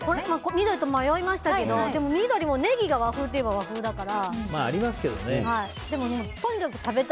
緑と迷いましたけど緑もネギが和風っていえば和風だから。